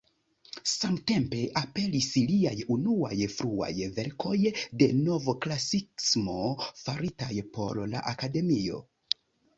Samtempe aperis liaj unuaj fruaj verkoj de Novklasikismo faritaj por la Akademio.